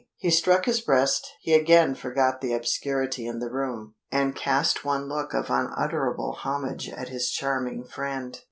'" He struck his breast; he again forgot the obscurity in the room, and cast one look of unutterable homage at his charming friend.